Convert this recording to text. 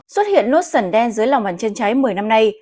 xuất hiện nốt sần đen dưới lòng bàn chân trái một mươi năm nay